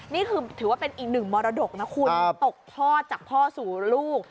นี่คือถือว่าเป็นอีกหนึ่งมรดกนะคุณตกทอดจากพ่อสู่ลูก